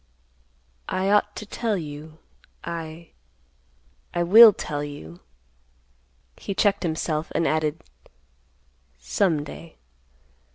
I ought to tell you—I—I will tell you—" he checked himself and added, "some day."